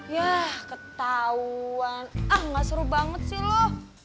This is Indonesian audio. yah ketauan enggak seru banget sih lo